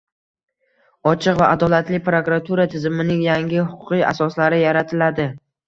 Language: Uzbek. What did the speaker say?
ochiq va adolatli prokuratura tizimining yangi huquqiy asoslari yaratiladi.